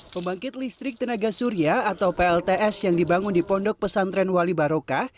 pembangkit listrik tenaga surya atau plts yang dibangun di pondok pesantren wali barokah